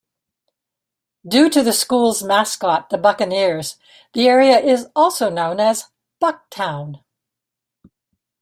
Due to the schools' mascot, the Buccaneers, the area is also known as Buc-town.